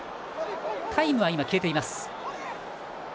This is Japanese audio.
タイムは消えています。